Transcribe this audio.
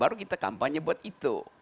jadi kita harus mengingatkan kepadanya